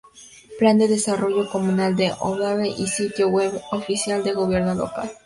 Plan de Desarrollo Comunal de Ovalle y Sitio web oficial del Gobierno Local.